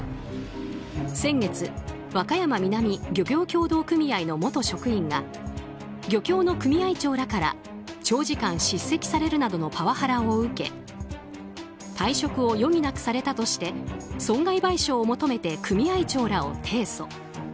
先月、和歌山南漁業協同組合の元職員が漁協の組合長らから長時間、叱責されるなどのパワハラを受け退職を余儀なくされたとして損害賠償を求めて組合長らを提訴。